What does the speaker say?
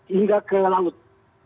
hingga ke laut